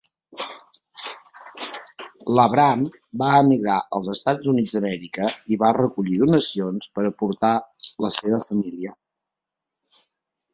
L'Abraham va emigrar als Estats Units d'Amèrica i va recollir donacions per a portar la seva família.